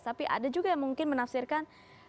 tapi ada juga yang mungkin menafsirkan